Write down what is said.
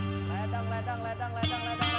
ledang ledang ledang ledang ledang